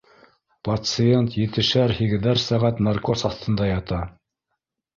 Пациент етешәр-һигеҙәр сәғәт наркоз аҫтында ята